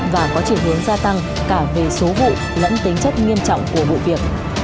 và có triển hướng gia tăng cả về số vụ lẫn tính chất nghiêm trọng của bộ việc